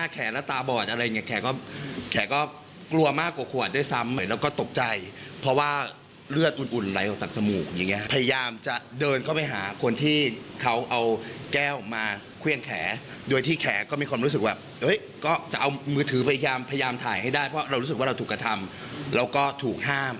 ก็เรารู้สึกว่าเราถูกกระทำแล้วก็ถูกห้าม